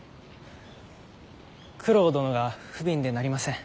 九郎殿が不憫でなりません。